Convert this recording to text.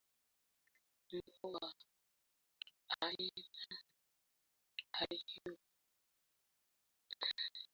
mbu wa aina hiyohuyu anafahamika zaidi barani afrika